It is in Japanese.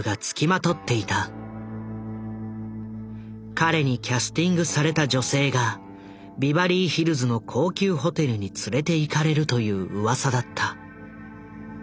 彼にキャスティングされた女性がビバリーヒルズの高級ホテルに連れていかれるといううわさだった。